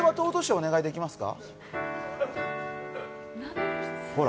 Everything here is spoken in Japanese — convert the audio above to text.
お願いできますか？